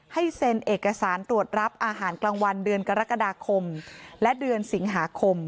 เซ็นเอกสารตรวจรับอาหารกลางวันเดือนกรกฎาคมและเดือนสิงหาคม